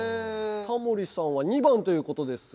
タモリさんは２番という事ですが。